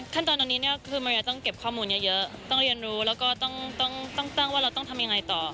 ขั้นตอนตอนนี้เนี่ยคือมันจะต้องเก็บข้อมูลเยอะต้องเรียนรู้แล้วก็ต้องตั้งว่าเราต้องทำยังไงต่อ